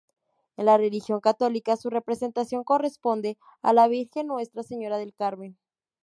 En la religión católica, su representación corresponde a la Virgen Nuestra Señora del Carmen.